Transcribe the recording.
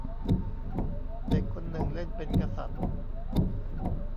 เด็กคนหนึ่งเล่นเป็นกษัตริย์